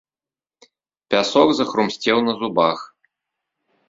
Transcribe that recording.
Пясок захрумсцеў на зубах.